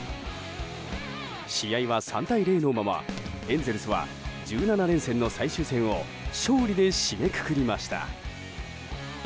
試合は３対０のままエンゼルスは１７連戦の最終戦を勝利で締めくくりました。